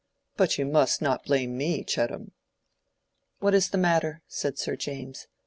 But you must not blame me, Chettam." "What is the matter?" said Sir James.